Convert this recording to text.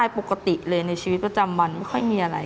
ปกติเลยในชีวิตประจำวันไม่ค่อยมีอะไร